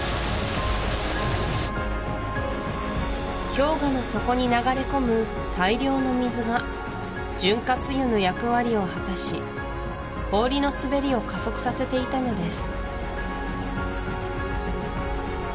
氷河の底に流れ込む大量の水が潤滑油の役割を果たし氷の滑りを加速させていたのです